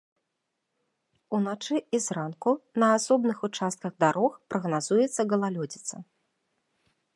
Уначы і зранку на асобных участках дарог прагназуецца галалёдзіца.